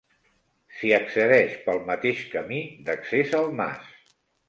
S'hi accedeix pel mateix camí d'accés al mas.